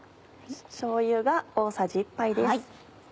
しょうゆが大さじ１杯です。